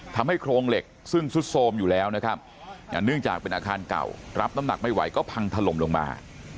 โครงเหล็กซึ่งซุดโทรมอยู่แล้วนะครับเนื่องจากเป็นอาคารเก่ารับน้ำหนักไม่ไหวก็พังถล่มลงมา